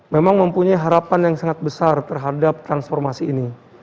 memang mempunyai harapan yang sangat besar terhadap transformasi ini